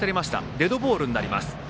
デッドボールとなります。